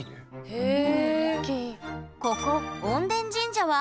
へえ。